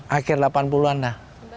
akhir delapan puluh an lah